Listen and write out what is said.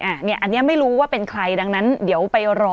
อันนี้ไม่รู้ว่าเป็นใครดังนั้นเดี๋ยวไปรอ